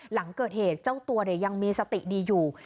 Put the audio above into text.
หลังเกิดเหตุเจ้าตัวยังมีสติดีอยู่